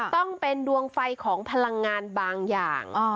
ต้องเป็นดวงไฟของพลังงานบางอย่าง